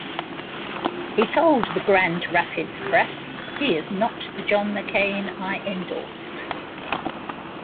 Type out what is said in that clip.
He told the "Grand Rapids Press" "He is not the John McCain I endorsed.